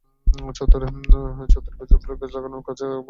চত্বরের ভেতরে ফুলের গাছ লাগানোর কাজ এবং আমের রংও তারাই করেছে।